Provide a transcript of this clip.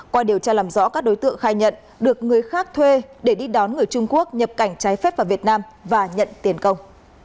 qua điều tra làm rõ các đối tượng khai nhận được người khác thuê để đi đón người trung quốc nhập cảnh trái phép vào việt nam và nhận tiền công